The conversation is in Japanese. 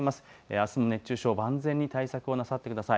あすも熱中症、万全に対策をなさってください。